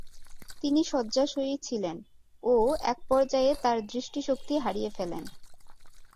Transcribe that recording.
তিনি শয্যাশায়ী ছিলেন ও একপর্যায়ে তার দৃষ্টিশক্তি হারিয়ে ফেলেন ।